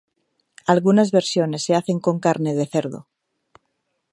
Algunas versiones se hacen con carne de cerdo.